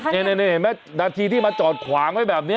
นี่เห็นไหมนาทีที่มาจอดขวางไว้แบบนี้